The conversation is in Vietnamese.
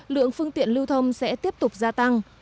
lượng phương tiện lưu thông sẽ tiếp tục gia tăng